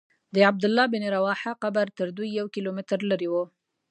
د عبدالله بن رواحه قبر تر دوی یو کیلومتر لرې و.